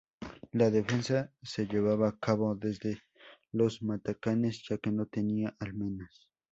La defensa se llevaba a cabo desde los matacanes, ya que no tiene almenas.